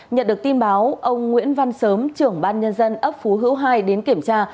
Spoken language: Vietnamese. nhận được tin báo ông nguyễn văn sớm trưởng ban nhân dân ấp phú hữu hai đến kiểm tra